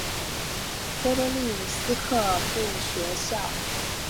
波多利斯克步兵学校位于苏联莫斯科州波多利斯克。